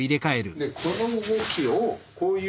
でこの動きをこういう。